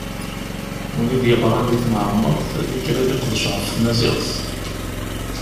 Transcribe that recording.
Win i d-yeɣṛan di temɛemmeṛt ad ikker ad iqdec ɣef tmaziɣt.